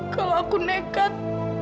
kalau aku nekat